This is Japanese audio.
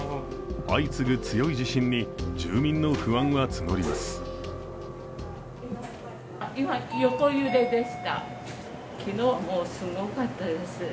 相次ぐ強い地震に住民の不安が募ります。